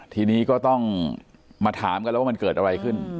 ทีนี้ก็ต้องมาถามกันแล้วว่ามันเกิดอะไรขึ้น